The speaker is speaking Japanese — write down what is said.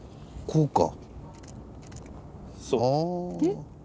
こうか。